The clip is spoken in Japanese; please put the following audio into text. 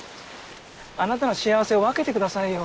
あなたの幸せを分けてくださいよ。